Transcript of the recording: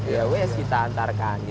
ya kita antarkan